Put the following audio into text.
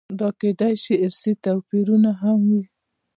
دا کېدای شي ارثي توپیرونه هم وي.